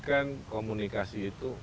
kan komunikasi itu